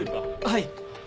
はい。